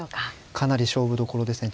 かなり勝負どころですね。